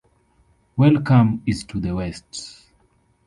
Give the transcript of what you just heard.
Welcome is to the west.